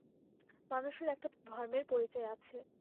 মানুষের একটা তো ধর্মের পরিচয় আছে।